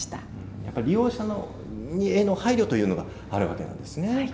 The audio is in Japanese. やっぱり利用者への配慮というのがあるわけなんですね。